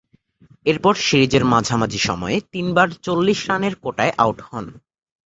এরপর সিরিজের মাঝামাঝি সময়ে তিনবার চল্লিশ রানের কোটায় আউট হন।